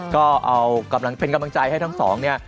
ก็เอากำลังเป็นกำลังใจให้ทั้งสองเนี่ย